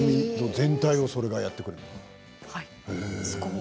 全体をそれがやってくれるの？